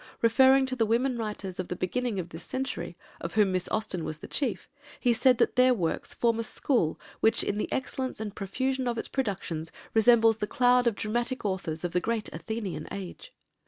Referring to the women writers of the beginning of this century, of whom Miss Austen was the chief, he said that their works "form a school which, in the excellence and profusion of its productions, resembles the cloud of dramatic authors of the great Athenian age."